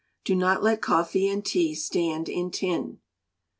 Do not let coffee and tea stand in tin.